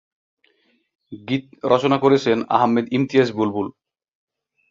গীত রচনা করেছেন আহমেদ ইমতিয়াজ বুলবুল।